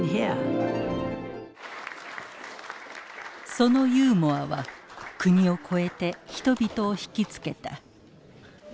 そのユーモアは国を超えて人々を引き付けた。